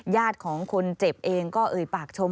ญาติของคนเจ็บเองก็เอ่ยปากชม